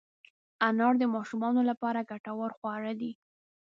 انار د ماشومانو لپاره ګټور خواړه دي.